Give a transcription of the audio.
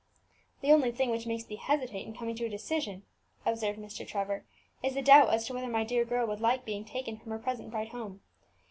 "The only thing which makes me hesitate in coming to a decision," observed Mr. Trevor, "is the doubt as to whether my dear girl would like being taken from her present bright home.